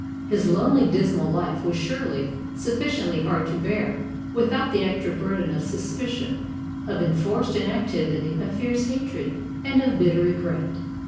His lonely, dismal life was surely sufficiently hard to bear without the extra burden of suspicion, of enforced inactivity, of fierce hatred, and of bitter regret.